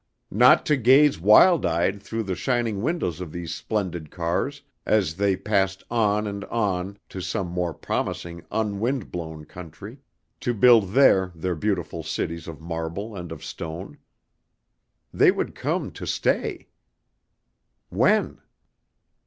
Not to gaze wild eyed through the shining windows of these splendid cars as they passed on and on to some more promising unwind blown country, to build there their beautiful cities of marble and of stone. They would come to stay. When?